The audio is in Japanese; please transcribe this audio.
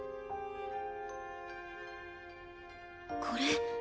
これ。